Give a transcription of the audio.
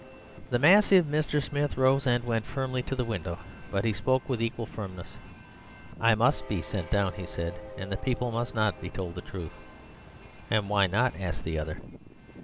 "The massive Mr. Smith rose and went firmly to the window, but he spoke with equal firmness. 'I must be sent down,' he said, 'and the people must not be told the truth.' "'And why not' asked the other.